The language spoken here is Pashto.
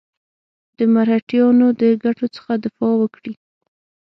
د مرهټیانو د ګټو څخه دفاع وکړي.